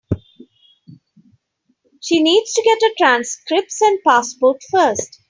She needs to get her transcripts and passport first.